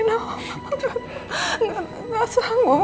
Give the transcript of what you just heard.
mama gak sanggup